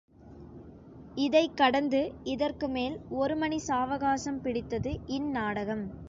இதைக் கடந்து இதற்கு மேல் ஒரு மணி சாவகாசம் பிடித்தது இந்நாடகம்.